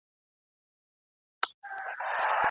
ولي هوډمن سړی د مخکښ سړي په پرتله بریا خپلوي؟